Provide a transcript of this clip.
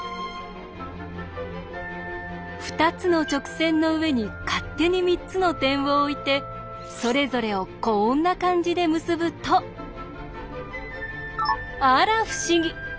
２つの直線の上に勝手に３つの点を置いてそれぞれをこんな感じで結ぶとあら不思議！